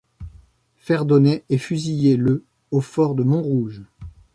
Ferdonnet est fusillé le au fort de Montrouge.